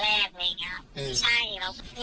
อะไรอย่างเงี้ยไม่ใช่แล้วมีหลายหลายลักษณะการเดิน